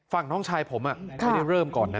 ฟังน้องชายผมไปเริ่มก่อนนะ